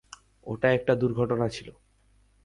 ওটা একটা দুর্ঘটনা ছিলো।